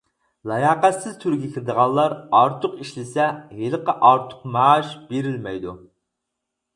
«لاياقەتسىز» تۈرىگە كىرىدىغانلار ئارتۇق ئىشلىسە ھېلىقى ئارتۇق مائاش بېرىلمەيدۇ.